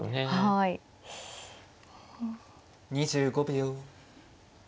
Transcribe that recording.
２５秒。